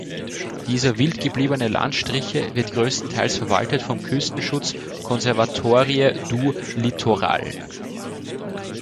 Dieser wild gebliebene Landstriche wird größtenteils verwaltet vom Küstenschutz Conservatoire du Littoral.